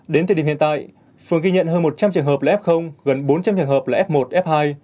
đến thời điểm hiện tại phường ghi nhận hơn một trăm linh trường hợp là f gần bốn trăm linh trường hợp là f một f hai